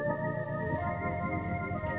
direktri dan salib beliau berdua